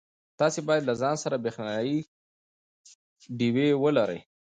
تاسي باید له ځان سره برېښنایی ډېوې ولرئ.